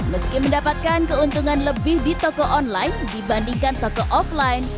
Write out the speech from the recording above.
meski mendapatkan keuntungan lebih di toko online dibandingkan toko offline